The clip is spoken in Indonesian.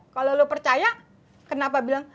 kalau lo percaya kenapa bilang